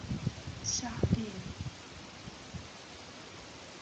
下表列出各加盟共和国在苏联解体前所使用的国徽。